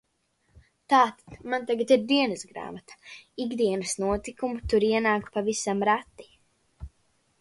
Tāda man tagad ir dienasgrāmata – ikdienas notikumi tur ienāk pavisam reti.